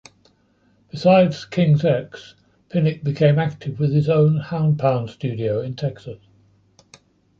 Besides King's X, Pinnick became active with his own Hound Pound studio in Texas.